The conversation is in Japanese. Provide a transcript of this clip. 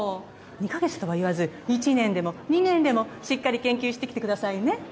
２カ月とは言わず１年でも２年でもしっかり研究してきてくださいね！